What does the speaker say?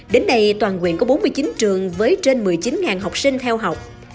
đến nay toàn quyện có bốn mươi chín trường với trên một mươi chín học sinh theo học